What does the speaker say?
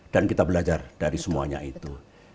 kita belajar dari semuanya itu